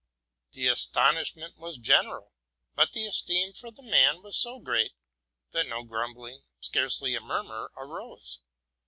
The astonishment was general; but the esteem ' the man was so great, that no grumbling, scarcely ¢ popeeta arose.